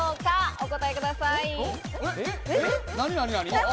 お答えください。